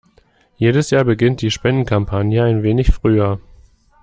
Jedes Jahr beginnt die Spendenkampagne ein wenig früher.